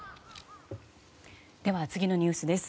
では次のニュースです。